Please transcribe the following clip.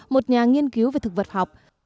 một nhà nghiên cứu về thực vật học